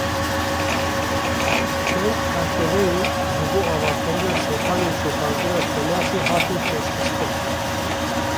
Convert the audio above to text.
Çend çarçoveyên ji bo avakirina sepanên şopandina temasê hatin pêşxistin.